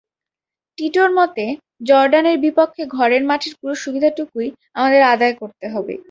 টিটোর মতে, জর্ডানের বিপক্ষে ঘরের মাঠের পুরো সুবিধাটুকুই আমাদের আদায় করতে হবে।